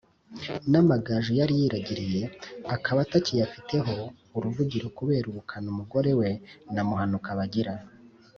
n’amagaju yari yiragiriye akaba atakiyafiteho uruvugiro kubera ubukana umugore we na Muhanuka bagira.